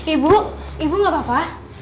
ibu ibu gak apa apa